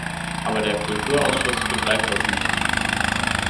Aber der Kulturausschuss begreift das nicht!